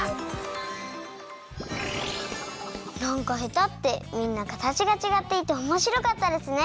なんかヘタってみんなかたちがちがっていておもしろかったですね。